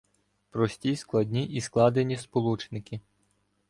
Прості, складні і складені сполучники